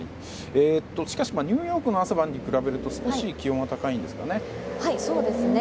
しかしニューヨークの朝晩に比べると少し気温は高いんですかね。